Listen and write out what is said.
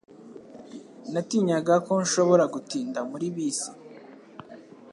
Natinyaga ko nshobora gutinda muri bisi.